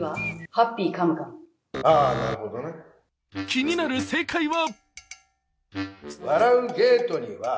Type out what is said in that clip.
気になる正解は？